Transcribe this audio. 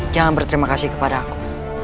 jangan berterima kasih kepada aku